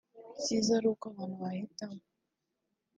icyiza ari uko abantu bahitamo (